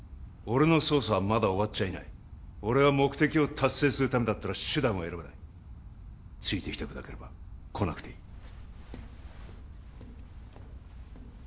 俺の捜査はまだ終わっちゃいない俺は目的を達成するためだったら手段を選ばないついてきたくなければ来なくていい